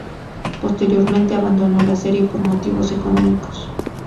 Posteriormente abandonó la serie por motivos económicos.